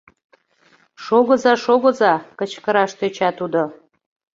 — Шогыза, шогыза! — кычкыраш тӧча тудо.